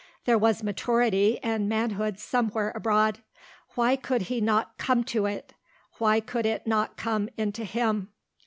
There was maturity and manhood somewhere abroad. Why could he not come to it? Why could it not come into him?